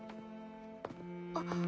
あっ。